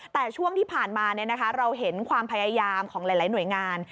แต่ช่วงที่ผ่านมาเราเห็นความพยายามของหลายหน่วยงาน